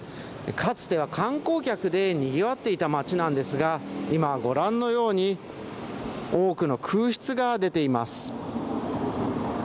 かつては観光客でにぎわっていた街なんですが今はご覧のように多くの空室が出ています。